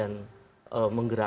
menggerakkan suara para pemerintah